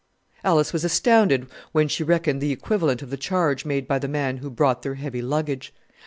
Alice was astounded when she reckoned the equivalent of the charge made by the man who brought their heavy luggage.